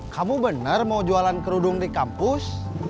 kamu benar mau jualan kerudung di kampus